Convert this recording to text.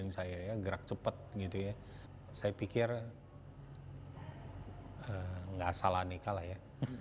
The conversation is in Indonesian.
nggak salah nikah lah ya